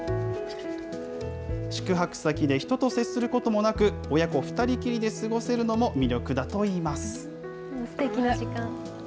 宿泊先で人と接することもなく、親子２人きりで過ごせるのも魅力だといいます。